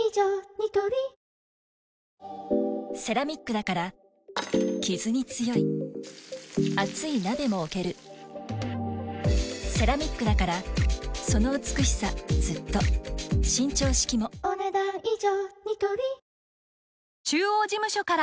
ニトリセラミックだからキズに強い熱い鍋も置けるセラミックだからその美しさずっと伸長式もお、ねだん以上。